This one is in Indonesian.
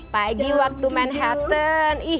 pagi waktu manhattan